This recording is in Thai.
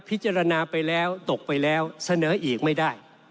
พิจารณาไปแล้วตกไปแล้วเสนออีกไม่ได้